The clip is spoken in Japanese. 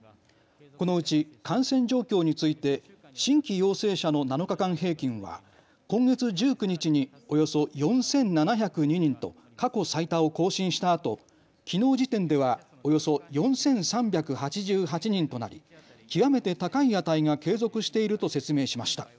このうち感染状況について新規陽性者の７日間平均は今月１９日におよそ４７０２人と過去最多を更新したあときのう時点ではおよそ４３８８人となり極めて高い値が継続していると説明しました。